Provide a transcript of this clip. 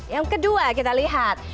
yang kedua kita lihat